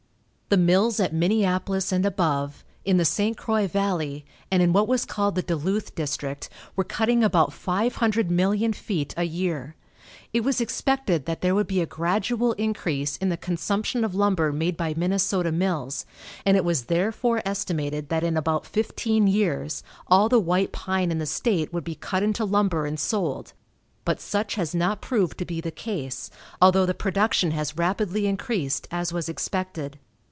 The mills at Minneapolis and above, in the St. Croix valley, and in what was called the Duluth district, were cutting about 500,000,000 feet a year. It was expected that there would be a gradual increase in the consumption of lumber made by Minnesota mills, and it was therefore estimated that in about fifteen years, all the white pine in the state would be cut into lumber and sold; but such has not proved to be the case, although the production has rapidly increased as was expected.